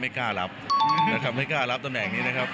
ไม่กล้ารับนะครับไม่กล้ารับตำแหน่งนี้นะครับ